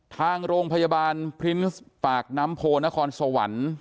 ทางโรงพยาบาลพรินส์ปากน้ำโพนครสวรรค์